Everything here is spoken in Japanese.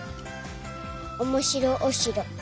おもしろおしろ。